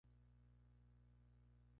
No se como lo tradujeron, pero les encantó.